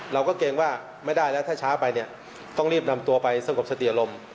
เกรงว่าไม่ได้แล้วถ้าช้าไปเนี่ยต้องรีบนำตัวไปสงบสติอารมณ์